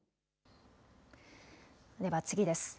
では次です。